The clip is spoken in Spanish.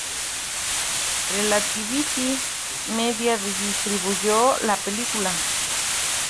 Relativity Media distribuyó la película.